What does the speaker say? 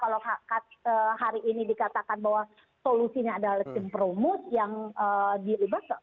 kalau hak hak rakyat hari ini dikatakan bahwa solusinya adalah tim perumus yang diibarkan